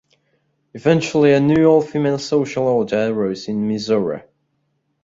Eventually a new all-female social order arose in Mizora.